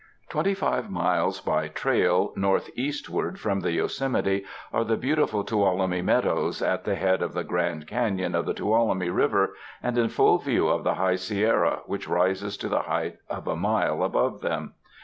Twenty five miles by trail northeastward from the Yosemite are the beautiful Tuolumne Meadows at the head of the Grand Canon of the Tuolumne River and in full view of the High Sierra which rises to the height of a mile above them.